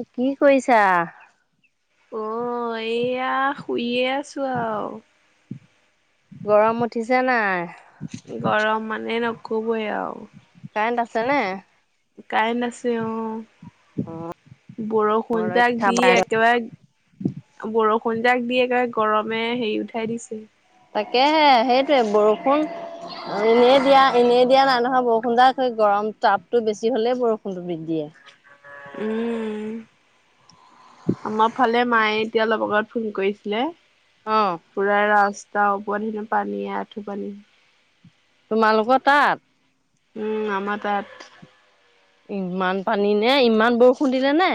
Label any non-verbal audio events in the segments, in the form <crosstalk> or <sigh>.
অ' কি কৰিছা? অ' এয়া শুইয়ে আছোঁ আৰু। গৰম উঠিছে নাই? গৰম মানে নকবই আৰু। কাৰেণ্ট আছে নে? কাৰেণ্ট আছে অ' অ বৰষুণ জাক ৰক্ষা দি বাই একেবাৰে বৰষুণ জাক দি একেবাৰে গৰমে হেৰি উঠাই দিছে। তাকেহে সেইটোৱে বৰষুণ অ' এনেই দিয়া, এনেই দিয়া নাই নহয় বৰষুণ জাক সৈ গৰম তাপতটো বেছি হলেই বৰষুণটো দি দিয়ে। উম। আমাৰ ফালে মায়ে এতিয়া অলপ আগত ফোন কৰিছিলে। অ'। পূৰা ৰাস্তা ওপৰত হেনু পানী, এআঁঠু পানী। তোমালোকৰ তাত? উম আমাৰ তাত। ইমান পানী নে? ইমান বৰষুণ দিলে নে?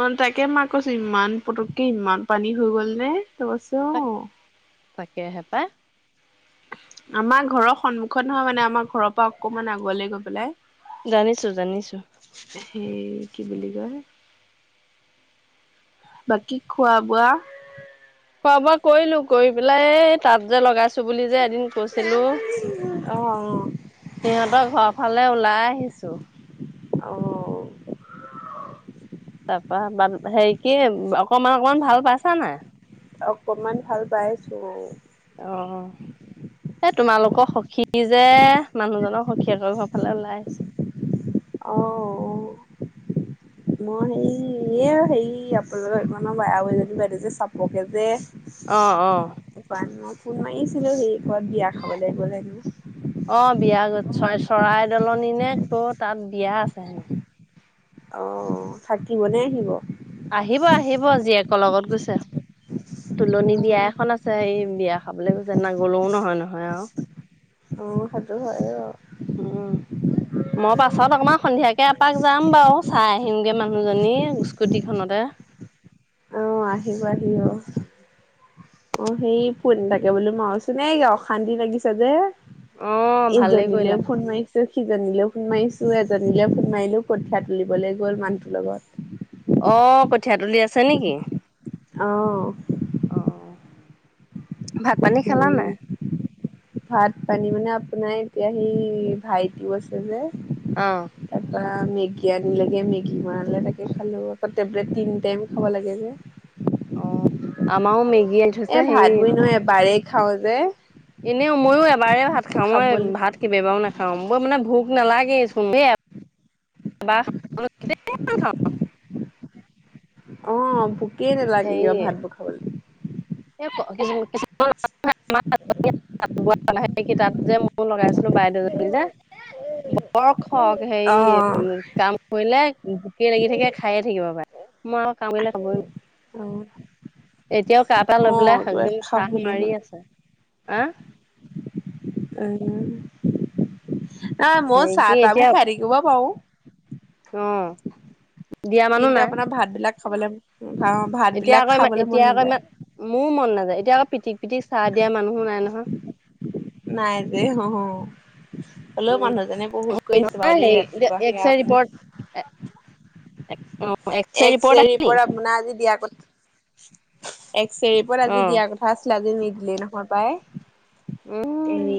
অ' তাকে মাক কৈছো, ইমান পটুককে ইমান পানী হৈ গ'ল নে? <unintelligible> তাক, তাকে হে পায়। আমাৰ ঘৰৰ সন্মুখত নহয় মানে আমাৰ ঘৰৰ পৰা অকমান আগুৱাল গৈ পেলাই। জানিছো জানিছো। সেই কি বুলি কয়। বাকী খোৱা বোৱা? খোৱা বোৱা কৰিলো। কৰি পেলাই এই তাত যে লগাইছো ছো বুলি যে এদিন কৈছিলো। অ সিহঁতৰ ঘৰ ফালে ওলাই আহিছোঁ। অ'। তাৰপা, বান হেৰি কি অকমান অকমান ভাল পাইছা নাই? অকনমান ভাল পাইছো। অ'। এ তোমালোকক সখীযে, মানুহজনৰ সখীয়েকৰ ঘৰ ফালে ওলাই আহিছোঁ। অ', অ'। মই হে এয়া হেৰি আপোনালোকৰ আৰু এজনী বাইদেউ যে চাপৰ কে যে। অ', অ', বাক মই ফোন মাৰিছিলোঁ সেই ক'ত বিয়া খাবলৈ গ'ল হেনো। অ', বিয়া চৰা চৰাই দলনিনে ক'ত তাত বিয়া আছে হেনো। অ', থাকিব নে আহিব? আহিব-আহিব জীয়েকৰ লগত গৈছে। তুলনি বিয়া এখন আছে সেই বিয়া খাবলৈ গৈছে ন- গ'লেও নহয় নহয় আৰু অ', সেইটো হয় অ', উম', মই পাছত অকণমান সন্ধিয়াকে এপাক যাম বাৰু চাই আহিমগে মানুহজনী স্কুটিখনতে। আহ' আহিব আহিব। অ, ' সেই ফোন এটাকে মাৰো চোন ন' এই অশান্তি লাগিছে যে। অ', ভালেই কৰিলা এইজনিলেও ফোন মাৰি সিজনীলৈ ফোন মাৰিছো। এজনীও ফোন মাৰিলো, কঠীয়া তুলিবলৈ গ'ল মানুহটোৰ লগত। অ', কঠীয়া তুলি আছে নেকি? আহ, অ' ভাত-পানী খালা নে? ভাত-পানী মানে, আপোনাৰ এতিয়া সেই ভাইটিও আছে যে। অ', মেগী আন লেগে মেগী মৰাে তাকে খালো আকৌ টেলে তিনি টাই খাব লাগে যে। অ' আমাও মেগি এ, ভাত বনাই এবাৰেই খাও যে। এনেও মইও এবাৰে ভাত খাওঁ। অ' খাবলৈ ভাত কেইবা বাৰও নাখাও মানে ভোক নালাগে। খাওঁ। অ' ভোকেই নেলাগে ভাতবোৰ খাবলৈ। কিুমান <unintelligible> সেইক যে মোৰ লগাইছে বাইদেউ যে, বৰ খকৈ হে অ কাম কৰিলে ভুকে লাগি থাকে খাইে থাকিব পাৰে। মই আৰু কামবিলাক ই অ এতিয়াও এটা অ লৈ পেলাই কিবা একদম চাহ খাবলৈ মাৰি মন আছে। হ' উ' নাই মই হেৰি কি চাহ-তাহ বোৰ এতিয়া খাই থাকিবা পাৰো। অ', দিয়া মানুহ কিন্তু, নাই। আপোনাৰ ভাত বিলাক খাবলৈ, খাওঁ ভাত এতিয়া বিলাক আকৌ ইমান খাবলৈ এতিয়া মন আকৌ নাযায়। ইমান মোৰো মন নাযায়, এতিয়া আকৌ পিটিক-পিটিক চাহ দিয়া মানুহো নাই নহয়। নাই দে অ'। হ'লেও উম মানুহজনে বহুত কৰিছে বাৰু দেই ৰাতিপুৱা সেয়া আপোন আহ' এক চেৰ ৰিপোৰ্ট আপোনাৰ আজি দিয়া কথা এক চেৰিপত অ আজি দিয়াৰ কথা আছিলে আজি নিদিলেই নহয় পাই। উ', এৰি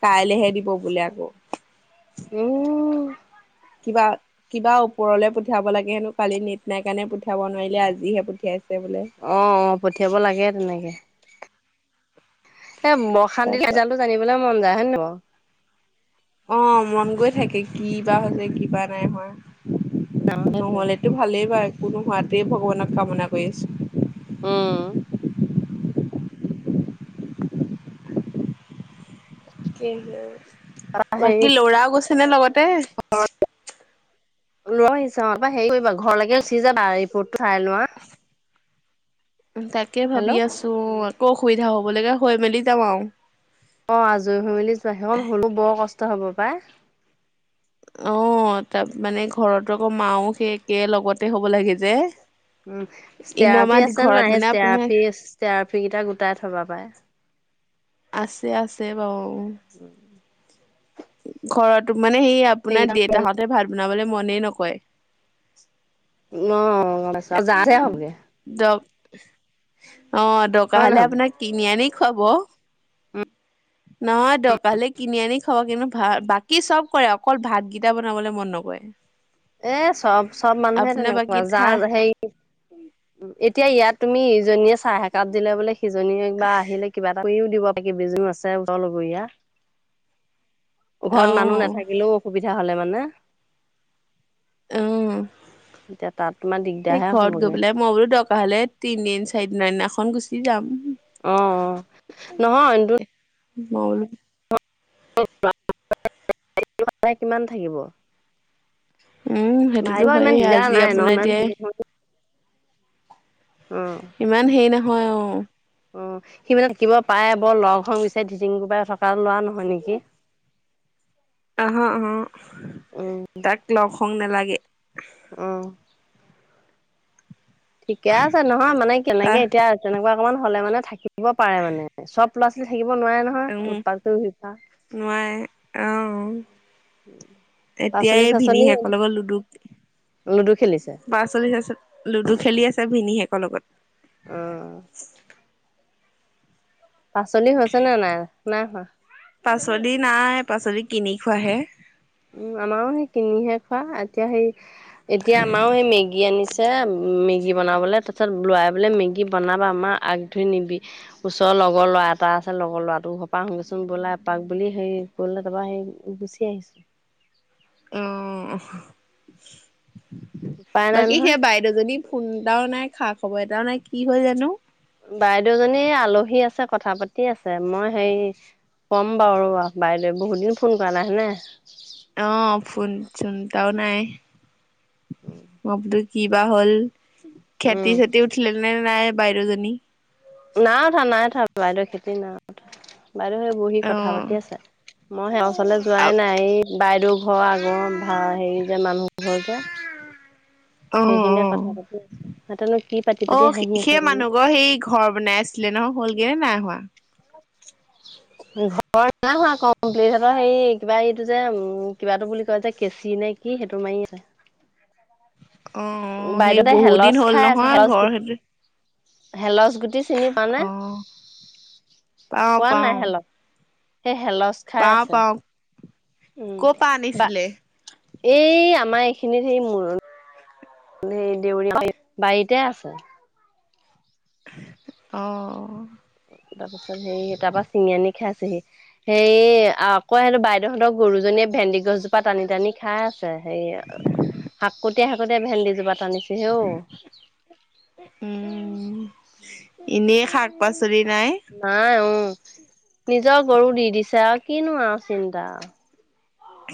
কাইলৈহে দিব বোলে আকৌ। উম। কিবা কিবা ওপৰলৈ পঠিয়াব লাগে হেনো কালি নেট নাই কাৰণে পঠিয়াব নোৱাৰিলে আজিহে পঠিয়াইছে বোলে। অ', অ', পঠিয়াব লাগে তেনেকৈ এ অশান্তি লাগি যায় তাৰপা ৰিজালটো জানিবলৈলে মন যায় হয় নে নহয়? অ', মন গৈ থাকে কি বা হৈছে কিবা নাই হয়। অ সেইটোৱে নহলেতো ভালেই বাই কোনো হোৱাতে ভগৱানক কামনা কৰি আছো। উম। তাৰপা হেৰি বাকী লৰাও গৈছে নে লগতে? <inaudible> লৈ আহিছা পৰা হেৰি কৰিবা ঘৰলৈকে গুচি যাবা ৰিপৰ্টো চাই লোৱা। তাকে হেল্ল' ভাবি আছো আকৌ অসুবিধা হ'ব লাগে হৈ মেলি যাম আৰু। অ', আজৰি হৈ মেলি যোৱা সেইখন হ'লও বৰ কষ্ট হ'ব পাই। অ', তাত মানে ঘৰত আকৌ মাও সেই একে লগতে হ'ব লাগে যে। উম, এনে ষ্টেৰাফি আমাৰ আছে ঘৰত নাই সেই মানে আপোনাৰ ষ্টেৰাফি-ষ্টেৰাফি কেইটা গোটাই থবা পাই। আছে আছে বাৰু। উম <inaudible> ঘৰতো মানে সেই আপোনাৰ সেইকেইটা দেউতাহতে ভাত বনাবলৈ মনে নকৰে। অ', যাে <unintelligible> হ'ব। অ', দৰকাৰ হয় নহয় হ'লে বাৰু? আপোনাক কিনি আনি খুৱাব উম <inaudible> নহয় দৰকাৰ হ'লে কিনি আনি খাব কিন্তু বাকী চব কৰে অকল ভাতকেইটা বনাবলৈ মন নকৰে। উ <inaudible> এ চব চব মানুহে তেনেকুৱা যাৰ হেৰি উম। এতিয়া ইয়াত তুমি ইজনীয়ে চাহ এক একাপ দিলে বোলে- সিজনীয়ে বা আহিলে কিবা এটা কৰিও দিব বাকি কিজনীও আছে উওতৰ <unintelligible> লগৰীয়া। ঘৰত মানুহ অহ নাথাকিলেও অসুবিধা হলে মানে। উম, এতিয়া তাত তোমাৰ এই দিগদাৰহে ঘৰত গৈ হ'বগে। পেলাই মই বোলো দৰকাৰ হ'লে তিনদিন চাৰিদিনৰ দিনাখন গুচি যাম। অ', অ', নহয় <unintelligible> <unintelligible> কিমান থাকিব উম সেইটোতো হয়েই আজি আপোনাৰ এতিয়া <unintelligible> উম। ইমান হেৰি নহয় অ'। অ', সিমানে থাকিব পাৰে বৰ লগ সং বিচাৰি ধিটিং কোবাই থকা ল'ৰা নহয় নেকি? আহ আহ উম তাক লগ সং নালাগে। অ'। ঠিকে আছে নহয় মানে কেনেকে তাক এতিয়া তেনেকুৱা অকমান হলে মানে থাকিব পাৰে মানে। চব ল'ৰা ছোৱালী থাকিব নোৱাৰে নহয় উম উৎপাত কৰি ঘূৰি ফুৰা। নোৱাৰে অ'। পাচলি এতিয়াই চাচলি ভিনিহিয়েকৰ লগত লুডু লুডু খেলিছে পাচলি চাচলি লুডু খেলি আছে ভিনীহেকৰ লগত। অ'। পাচলি হৈছে নে নাই নাই হোৱা? পাচলি নাই পাচলি কিনি খোৱাহে। আমাৰও সেই কিনিহে খোৱা এতিয়া সেই এতিয়া আমাৰও সেই মেগী আনিছে। মেগী বনাবলৈ তাৰপিছত লৰাই বোলে মেগী বনাবা মা আগধৰি মেগি ওচৰৰ লগৰ ল'ৰা এটা আছে লগৰ ল'ৰাটো ঘৰৰপৰা আহোচোন বোল এপাক বুলি হেৰি তাৰ পৰা সেই গুচি আহিছো। অ', উপায় নাই বাকী নহয় সেইয়া বাই দেউ জনী ফোন এটাও নাই খা খবৰ এটাও নাই কি হ'ল জানো। বাইদেউজনী আলহী আছে কথা পাতি আছে মই হেৰি কম বাৰু ৰবা বাইদেউ বহুত দিন ফোন কৰা নাই হয় নাই? অ', ফোন-চোন এটাও নাই। অ'। কিবা হ'ল, খেতি উম চেতি উঠিলে নে নাই বাইদেউজনী? নাইউঠা নাইউঠা বাইদেউৰ খেতি নাইউঠা বাইদেউ সেই বহি কথা অ'। পাতি আছে। মই এওৰ ওচৰলৈ যোৱাই নাই এই বাইদেউৰ ঘৰ আগৰ ভাৰ হেৰি যে মানুহ ঘৰ যে। অ', সেইখিনিয়ে কথা অ', পাতি আছো সিহঁতেনো কি পাতি পাতি হাঁহি আছে অ'সেই জানো। মানুহ ঘৰ সেই ঘৰ বনাই আছে। নহ <unintelligible> হ'লগে নাই হোৱা? ঘৰ নাই হোৱা কমপ্লিট হে কিবা এইটো যে কিবাটো বুলি কয় যে কেচি নে কি সেইটো মাৰি আছে। অ' সেই বাইদেউহঁতে বহুত দিন হেলচ হ'ল খাই আছে, নহয় ঘৰ <unintelligible> সেইটো হেলচ গুটি। চিনি পাওঁনে অ' পাওঁ পোৱা নাই পাওঁ হেলছ সেই হেলচ। খাই পাওঁ, আছে পাওঁ উম। ক' পৰা বা আনিছিলে? এই আমাৰ এইখিনিত সে মুৰ। সেই দেউৰী বাৰীতে আছে। অ'। তাৰপিছত সেই তাৰপৰা চিঙি আনি খাইছেহি। সেই আকৌ বাইদেউহঁতৰ গৰুজনীয়ে ভেন্দি গছজোপা টানি, টানি খাই। আ হেৰি শাকতিয়াই শাকতিয়াই ভেন্দি জোপা টানিছো হেও। উম, এনেই শাক পাচলি নাই। নাই অ', নিজৰ গৰু দি দিছে আৰু কিনো আৰু চিন্তা।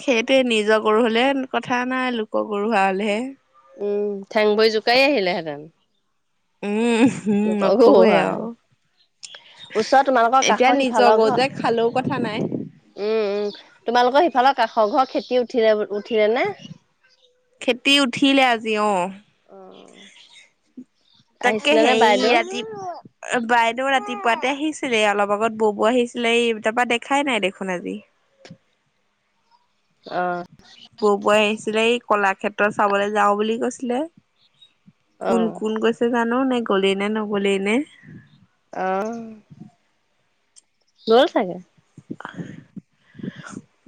সেইটোৱে নিজৰ গৰু হলে কথা নাই লোক গৰু হোৱা হলেহে। উম, ঠেং বৈ জোকাই আহিলেহেঁতেন। উম, উম লোকৰ গৰু নকবয়ে হোৱা হ'লে। আৰু। ওচৰৰ তোমালোকৰ এতিয়া কাষৰ নিজৰ সিফালৰ গৰু ঘৰ যে খালেও কথা নাই। উম, উম তোমালোকৰ সিফালৰ কাষৰ ঘৰ খেতি। উঠিল উঠিলে নে? খেতি উঠিলে আজি অ'। অ'। তাকে আহিছিলে নে সেই বাইদেউ? আজি। বাইদেউ ৰাতিপুৱাতে আহিছিলে অলপ আগত বৌবৌ আহিছিলে এই তাৰপা দেখাই নাই দেখোন আজি। অ'। বৌ বৈ আহিছিলে এই কলাক্ষেত্ৰত চাবলৈ যাওঁ বুলি কৈছিলে। অ কোন, কোন গৈছে জানো নে গ'লেই নে নগলেই নে। অ'। গ'ল চাগে।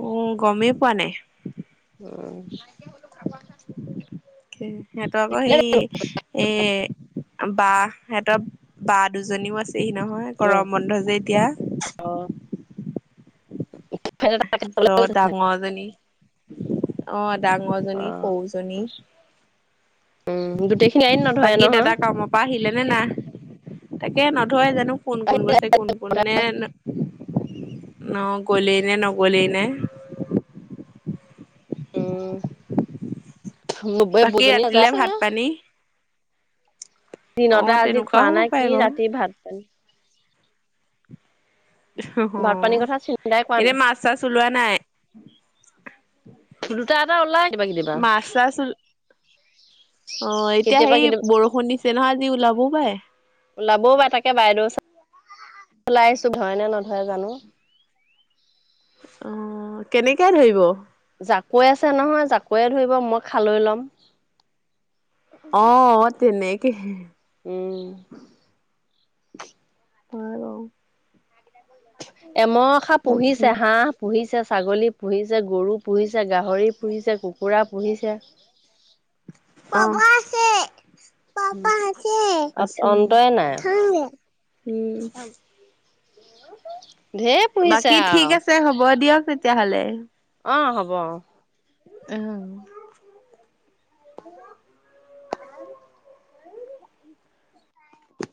উম, গমেই পোৱা নাই। উম। সিহঁতৰ আকৌ সেই। উম এ, বা সহতৰ বা দুজনীও আছে। নহয় অ। গৰম বন্ধ যে এতিয়া। অ'। ডাঙৰজনী অ', ডাঙৰজনী, সৰুজনী। গোটেইখিনি আইন নধৰে বাকী নহয়। দাদা কামৰ পৰা আহিলে নে নাই তাকে নধুৱ যোনো? কোন, কোন গৈছে কোন, কোন নে ন গলেই নে নগলেই নে। উম বাকী বুজনি ৰাতিলে ভাত আজাৰা। পানী অ দিনতে আজি খোৱা তেনেকুৱাও হ'ব নাই কি পাৰে বাৰু ৰাতি ভাত পানি। অ ভাত পানীৰ কথা চিন্তাই কৰা এনে মাছ চাছ ওলোৱা নাই নাই। দুটা এটা ওলাই দিবা কেতিবা। মাছ চাছ অ', এতিয়া সেই কেতিয়াবা বৰষুণ দিছে নহয় আজি ওলাবও পাৰে। ওলাবও বাাৰে তাকে বাইদেউ ওলাই আহিছো ধৰে নে নধৰে জানো। অ', কেনেকৈ ধৰিব? জাকৈ আছে নহয় জাকৈয়ে ধৰিব মই খালৈ লম। অ', তেনেকে হে? উম। হয় বাৰু। এমৰ খা বাকী পুহিছে হাঁহ। পুহিছে ছাগলী পুহিছে, গৰু পুহিছে, গাহৰি পুহিছে, কুকুৰা পুহিছে। অ', পাব আছে। পাপা আছে, আছে অন্তই নাই, অ, ঢেৰ পুহিছে বাকী ঠিক আৰু। আছে হ'ব দিয়ক তেতিয়াহলে। অ' হ'ব অ। অ',